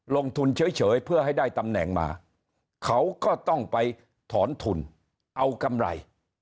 ลงทุนเฉยเพื่อให้ได้ตำแหน่งมาเขาก็ต้องไปถอนทุนเอากำไร